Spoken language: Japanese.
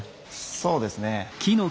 そうですね。